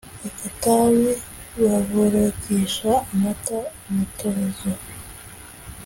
agati bavurugisha amata umutozo